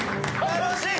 楽しい！